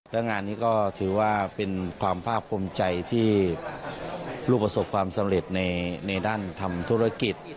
และงานนี้ก็ถือว่าเป็นความภาคภูมิใจที่ลูกประสบความสำเร็จในด้านทำธุรกิจ